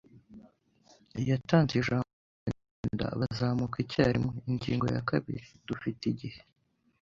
yatanze ijambo ryo kugenda, bazamuka icyarimwe. Ingingo ya kabiri, dufite igihe